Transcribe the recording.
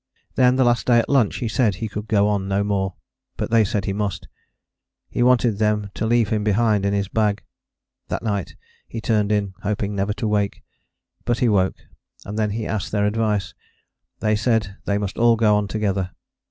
Then the last day at lunch he said he could go on no more but they said he must: he wanted them to leave him behind in his bag. That night he turned in, hoping never to wake: but he woke, and then he asked their advice: they said they must all go on together.